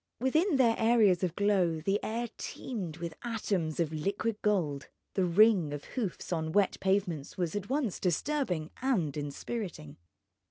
Within their areas of glow the air teemed with atoms of liquid gold. The ring of hoofs on wet pavements was at once disturbing and inspiriting.